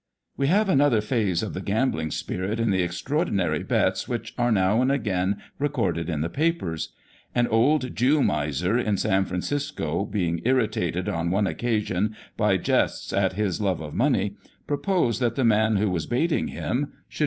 We have another phase of the gambling spirit in the extraordinary bets which are now and again recorded in the papers. An old Jew miser in San Francisco, being irritated on one occasion by jests at his love of money, proposed that the man who was baiting him should, go * A Southern fruit, but here of course applied to money.